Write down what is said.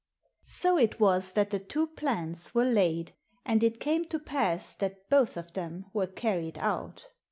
'* So it was that the two plans were laid, and it came to pass that both of them were carried out.